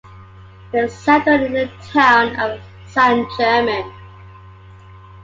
They settled in the town of San German.